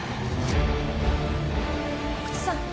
阿久津さん